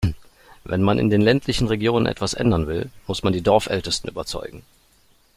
Wenn man in den ländlichen Regionen etwas ändern will, muss man die Dorfältesten überzeugen.